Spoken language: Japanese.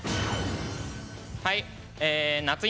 はい！